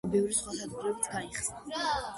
ახლა ბევრი სხვა სადგურებიც გაიხსნა.